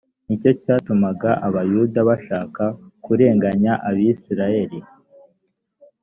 ni cyo cyatumaga abayuda bashaka kurenganya abisilaheli